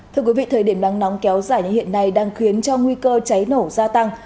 thưa quý vị thời điểm nắng nóng kéo dài như hiện nay đang khiến cho nguy cơ cháy nổ gia tăng